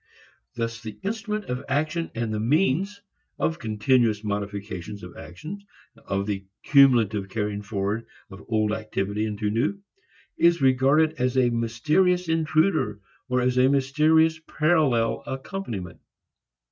Thus the instrument of action and the means of the continuous modification of action, of the cumulative carrying forward of old activity into new, is regarded as a mysterious intruder or as a mysterious parallel accompaniment.